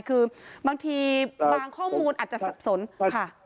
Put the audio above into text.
คือบางทีบางข้อมูลอาจจะสับสนค่ะ